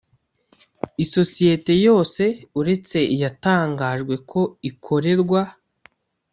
Isosiyete yose uretse iyatangajwe ko ikorerwa